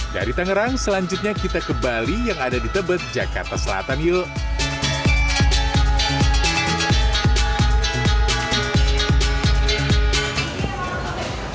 dari tangerang selanjutnya kita ke bali yang ada di tebet jakarta selatan yuk